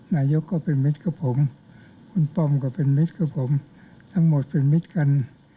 นายกก็เป็นมิตรกับผมคุณป้อมก็เป็นมิตรกับผมทั้งหมดเป็นมิตรกัน